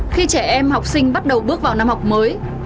khi trẻ em học sinh bắt đầu bước vào năm học mới